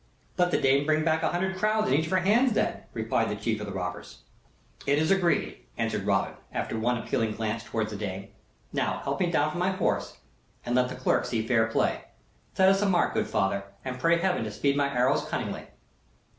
"Let the dame bring back a hundred crowns in each of her hands, then," replied the chief of the robbers. "It is agreed," answered Robin, after one appealing glance towards the dame. "Now help me down from my horse, and let the clerk see fair play. Set us a mark, good father, and pray Heaven to speed my arrows cunningly."